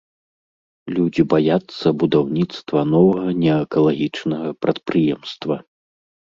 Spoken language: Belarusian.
Людзі баяцца будаўніцтва новага не экалагічнага прадпрыемства.